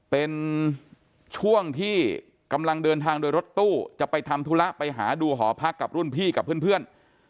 เป็นช่วงที่กำลังเดินทางโดยรถตู้จะไปทำธุระไปหาดูหอพักกับรุ่นพี่กับเพื่อน